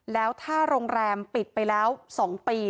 แล้วถ้าโรงแรมปิดไปแล้ว๒ปี